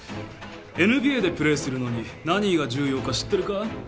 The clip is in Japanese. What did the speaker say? ＮＢＡでプレーするのに何が重要か知ってるか？